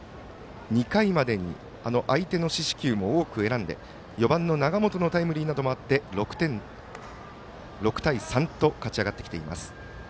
２回までに相手の四死球も多く選んで４番の永本のタイムリーもあって６対３と勝ち上がってきています。